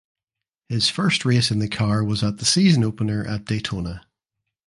His first race in the car was at the season opener at Daytona.